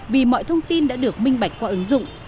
vì mọi thông tin đã được minh bạch qua ứng dụng